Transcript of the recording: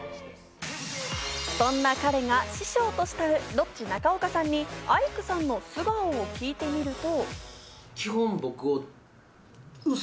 そんな彼が師匠と慕うロッチ中岡さんにアイクさんの素顔を聞いてみると。